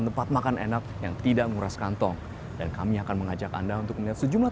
tempat makan enak yang tidak menguras kantong dan kami akan mengajak anda untuk melihat sejumlah